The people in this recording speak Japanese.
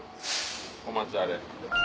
お待ちあれ。